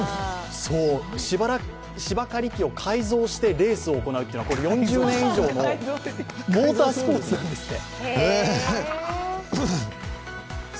芝刈り機を改造してレースを行うというのは４０年以上のモータースポーツなんですって。